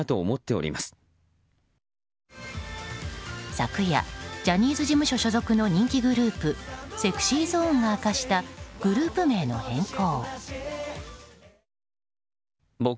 昨夜、ジャニーズ事務所所属の人気グループＳｅｘｙＺｏｎｅが明かしたグループ名の変更。